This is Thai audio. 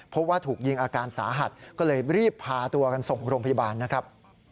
พบว่าถูกยิงอาการสาหัสก็เลยรีบพาตัวกันส่งโรงพยาบาลนะครับ